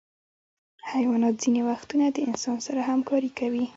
حیوانات ځینې وختونه د انسان سره همکاري کوي.